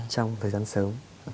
trong thời gian sớm